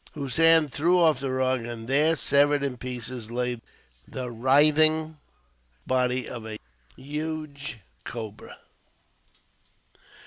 Hossein threw off the rug, and there, severed in pieces, lay the writhing body of a huge cobra.